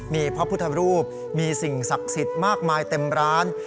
มีพระพุทธรูปมีสิ่งศักดิ์สิทธิ์มากมายเต็มร้าน